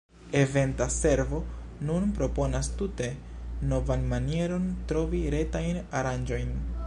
Eventa Servo nun proponas tute novan manieron trovi retajn aranĝojn.